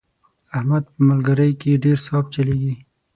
احمد په ملګرۍ کې ډېر صاف چلېږي.